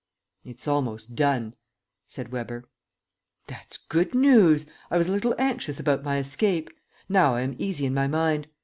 "It's almost done," said Weber. "That's good news! I was a little anxious about my escape. Now I am easy in my mind.